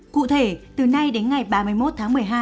cụ thể từ nay đến ngày ba mươi một tháng một mươi hai